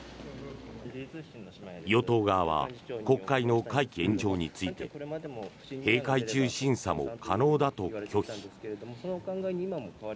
与党側は国会の会期延長について閉会中審査も可能だと拒否。